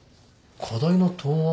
課題の答案？